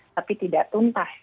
tapi tidak tuntas